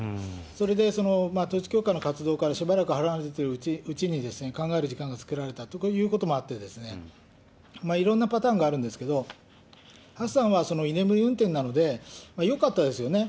それで統一教会の活動からしばらく離れているうちに、考える時間が作られたということもあってですね、いろんなパターンがあるんですけど、ハッサンはその居眠り運転なので、よかったですよね。